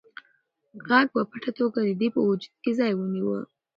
غږ په پټه توګه د ده په وجود کې ځای ونیوه.